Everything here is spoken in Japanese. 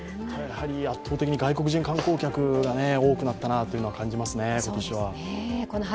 圧倒的に外国人観光客が多くなったなというのは感じますね、今年は。